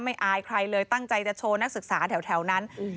อายใครเลยตั้งใจจะโชว์นักศึกษาแถวนั้น